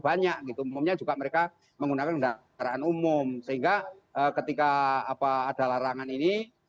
banyak gitu umumnya juga mereka menggunakan kendaraan umum sehingga ketika apa ada larangan ini